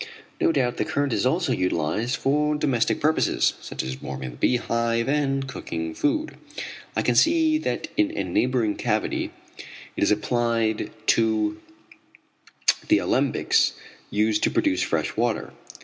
No doubt the current is also utilized for domestic purposes, such as warming the Beehive and cooking food, I can see that in a neighboring cavity it is applied to the alembics used to produce fresh water.